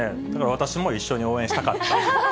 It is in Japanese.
私も一緒に応援したかった。